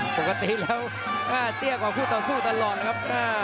ปกติแล้วตี้ยกว่าผู้ต่อสู้ตลอดครับ